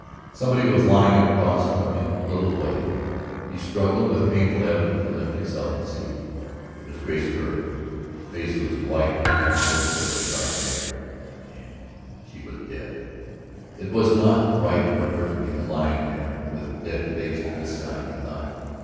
Somebody was lying across from him a little way; he struggled with painful effort to lift himself and see. It was Grace Kerr. Her face was white in the midst of her dark hair, and she was dead. It was not right for her to be lying there, with dead face to the sky, he thought.